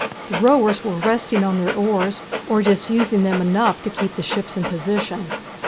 The rowers were resting on their oars, or just using them enough to keep the ships in position.